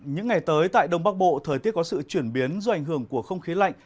những ngày tới tại đông bắc bộ thời tiết có sự chuyển biến do ảnh hưởng của không khí lạnh